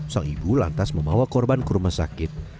sang ibu lantas membawa korban ke rumah sakit